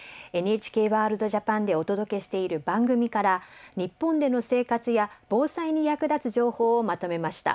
「ＮＨＫワールドＪＡＰＡＮ」でお届けしている番組から日本での生活や防災に役立つ情報をまとめました。